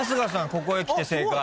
ここへきて正解。